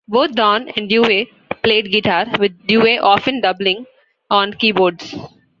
Both Don and Dewey played guitar, with Dewey often doubling on keyboards.